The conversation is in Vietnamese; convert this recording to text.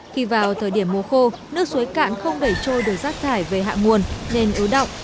khi vào thời điểm mùa khô nước suối cạn không đẩy trôi được rác thải về hạ nguồn nên ưu động